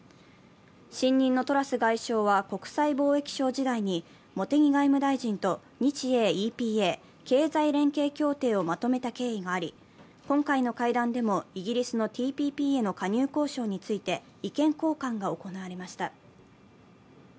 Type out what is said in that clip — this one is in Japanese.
新任のトラス外相は国際貿易相時代に茂木外務大臣と日英ＥＰＡ＝経済連携協定をまとめた経緯があり、今回の会談でも、イギリスのＴＰＰへの加入交渉について意見交換が行われました。